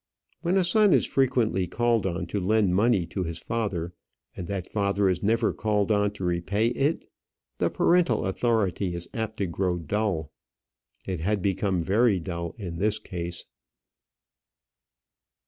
When a son is frequently called on to lend money to his father, and that father is never called on to repay it, the parental authority is apt to grow dull. It had become very dull in this case.